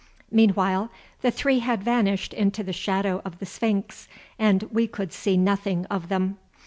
Meanwhile the three had vanished into the shadow of the sphinx, and we could see nothing of them.